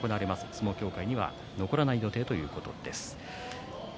相撲協会には残らない予定ということです。